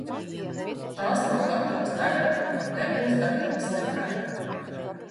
Tās nav gatavas tagad un nebūs gatavas nekad.